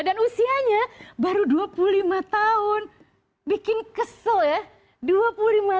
usianya baru dua puluh lima tahun bikin kesel ya